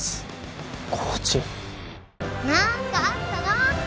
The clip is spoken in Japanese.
なんかあったの？